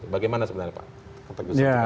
bagaimana sebenarnya pak